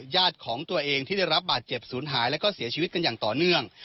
ญาติของตัวเองที่ได้รับบาดเจ็บศูนย์หายแล้วก็เสียชีวิตกันอย่างต่อเนื่อง